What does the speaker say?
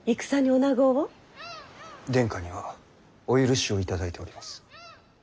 殿下にはお許しを頂いております。